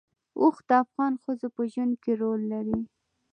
اوښ د افغان ښځو په ژوند کې رول لري.